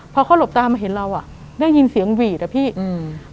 พอเขาหลบตามาเห็นเราอ่ะได้ยินเสียงหวีดอะพี่อืม